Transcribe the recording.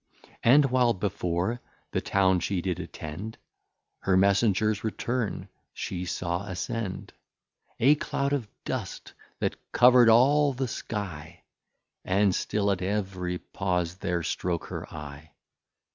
And while before the Town she did attend Her Messengers return, she saw ascend A cloud of Dust, that cover'd all the skie, And still at every pause there stroke her eye.